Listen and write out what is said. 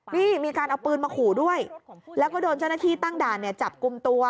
นี่มีการเอาปืนมาขู่ด้วยแล้วก็โดนเจ้าหน้าที่ตั้งด่านเนี่ยจับกลุ่มตัว